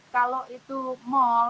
kalau itu mall